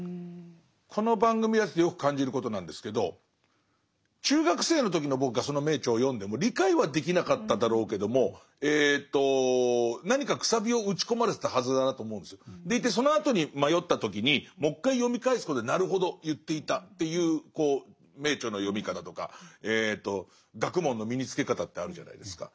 この番組やっててよく感じることなんですけど中学生の時の僕がその名著を読んでも理解はできなかっただろうけどもでいてそのあとに迷った時にもう一回読み返すことでなるほど言っていたっていう名著の読み方とか学問の身につけ方ってあるじゃないですか。